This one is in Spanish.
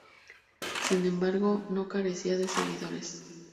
Sin embargo, no carecía de seguidores.